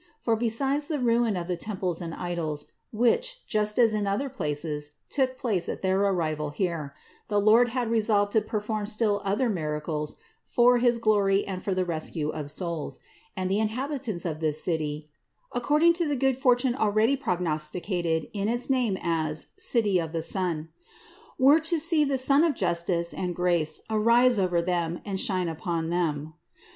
For, besides the ruin of the temples and idols, which, just as in other places, took place at their arrival here, the Lord had resolved to perform still other miracles for his glory and for the rescue of souls ; and the inhabitants of this city, (according to the good fortune already prog nosticated in its name as "City of the Sun"), were to see the Sun of justice and grace arise over them and shine upon them.